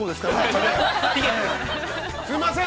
◆すいません。